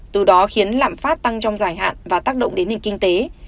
từ đó khiến lạm phát tăng trong dài hạn và tác động đến nền kinh tế